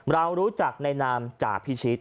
เรารู้จักในนามจ่าพิชิต